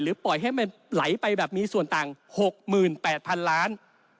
ปล่อยให้มันไหลไปแบบมีส่วนต่าง๖๘๐๐๐ล้าน